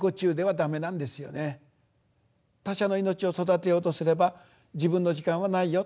他者の命を育てようとすれば自分の時間はないよ。